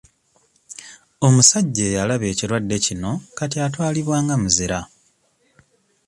Omusajja eyalaba ekirwadde kino kati atwalibwa nga muzira.